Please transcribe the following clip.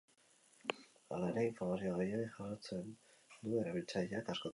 Hala ere, informazio gehiegi jasotzen du erabiltzaileak askotan.